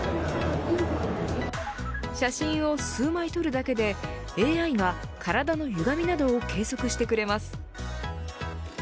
写真を数枚撮るだけでＡＩが体のゆがみなどを計測してくれます。